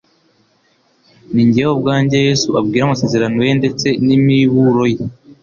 Ni njyewe ubwanjye Yesu abwira amasezerano ye ndetse n'imiburo ye.